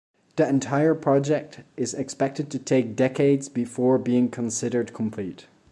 The entire project is expected to take decades before being considered complete.